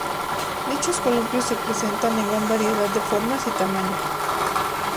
Dichos columpios se presentan en una gran variedad de formas y tamaños.